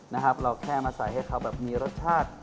นะครับเราแค่มาใส่ให้เขาแบบมีรสชาติ